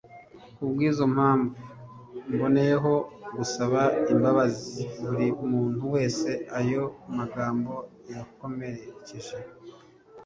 Ku bw’izo mpamvu mboneyeho gusaba imbabazi buri muntu wese ayo magambo yakomerekeje